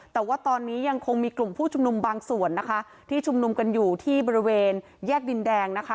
แต่ว่าตอนนี้ยังคงมีกลุ่มผู้ชุมนุมบางส่วนนะคะที่ชุมนุมกันอยู่ที่บริเวณแยกดินแดงนะคะ